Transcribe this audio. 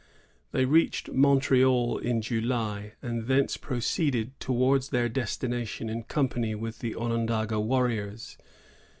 They reached Montreal in July, and thence proceeded towards their destina tion in company with the Onondaga warriors.